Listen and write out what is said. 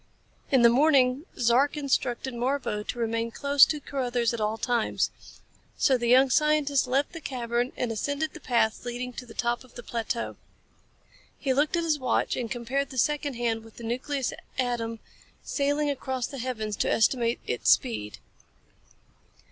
In the morning Zark instructed Marbo to remain close to Carruthers at all times. So the young scientist left the cavern and ascended the path leading to the top of the plateau. He looked at his watch and compared the second hand with the nucleus atom sailing across the heavens to estimate its speed.